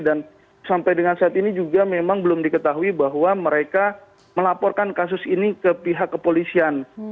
dan sampai dengan saat ini juga memang belum diketahui bahwa mereka melaporkan kasus ini ke pihak kepolisian